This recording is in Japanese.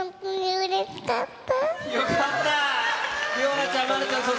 うれしかった？